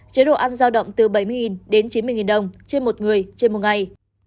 chế độ ăn giao động từ bảy mươi đến chín mươi đồng trên một người trên một ngày